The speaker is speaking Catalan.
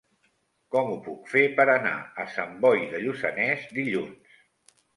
Com ho puc fer per anar a Sant Boi de Lluçanès dilluns?